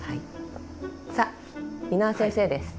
さあ蓑輪先生です。